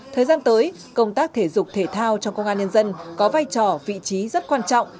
thời gian tới công tác thể dục thể thao trong công an nhân dân có vai trò vị trí rất quan trọng